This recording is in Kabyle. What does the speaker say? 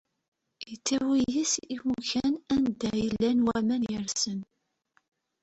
Ittawi-yi s imukan anda i llan waman yersen.